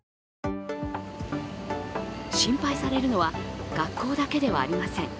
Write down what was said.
心配されるのは学校だけではありません。